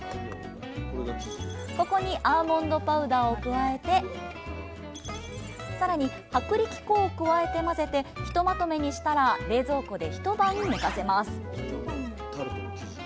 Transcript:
ここにアーモンドパウダーを加えてさらに薄力粉を加えて混ぜてひとまとめにしたら冷蔵庫で一晩寝かせます。